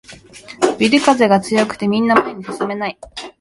ビル風が強くてみんな前に進めない